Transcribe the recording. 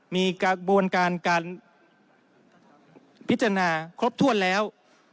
มีกระบวนการการพิจารณาครบถ้วนแล้ว